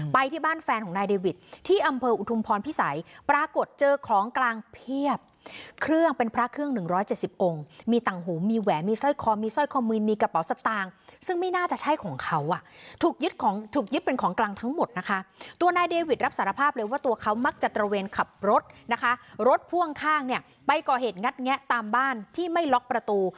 ไปที่บ้านแฟนของนายเดวิตที่อำเภออุทุมพรพิสัยปรากฏเจอของกลางเพียบเครื่องเป็นพระเครื่องหนึ่งร้อยเจสิบองค์มีตังหูมีแหวนมีสร้อยคอมีสร้อยคอมืนมีกระเป๋าสตางค์ซึ่งไม่น่าจะใช่ของเขาอ่ะถูกยึดของถูกยึดเป็นของกลางทั้งหมดนะคะตัวนายเดวิตรับสารภาพเลยว่าตัวเขามักจะตระเวนขับรถนะคะรถพ่